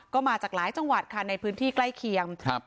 ก็มาจากหลายจังหวัดค่ะในพื้นที่ใกล้เคียงครับ